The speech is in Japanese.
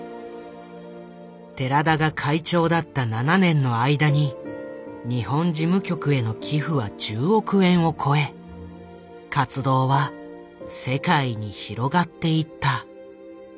寺田が会長だった７年の間に日本事務局への寄付は１０億円を超え活動は世界に広がっていった。